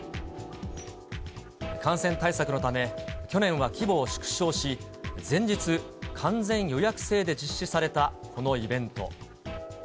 感染対策のため、去年は規模を縮小し、前日、完全予約制で実施されたこのイベント。